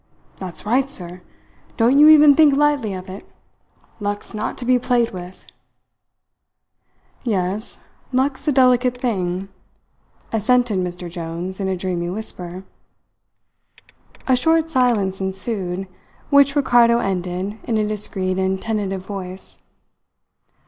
"That's right, sir. Don't you even think lightly of it. Luck's not to be played with." "Yes, luck's a delicate thing," assented Mr. Jones in a dreamy whisper. A short silence ensued, which Ricardo ended in a discreet and tentative voice.